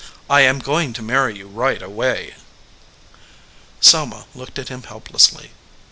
I am going to marry you right away." Selma looked at him helplessly.